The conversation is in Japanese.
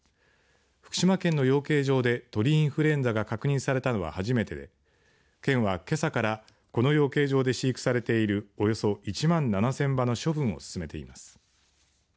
福島県の養鶏場で鳥インフルエンザが確認されたのは初めてで県は、けさからこの養鶏場で飼育されているおよそ１万７０００羽の処分を進めています。